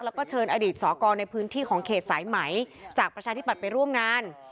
แล้วก็เชิญอดีตสอกรในพื้นที่ของเขตสายไหมจากประชาธิบัติไปร่วมงาน